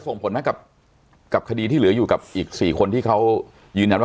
ส่งผลไหมกับคดีที่เหลืออยู่กับอีก๔คนที่เขายืนยันว่า